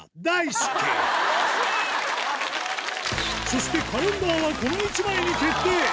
そしてカレンダーはこの１枚に決定